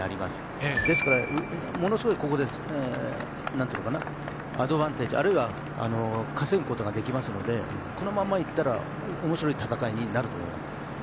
ですから、ものすごいここでアドバンテージあるいは稼ぐことができますのでこのまま行ったら面白い戦いになると思います。